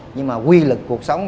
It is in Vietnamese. nhưng mà quy lực cuộc sống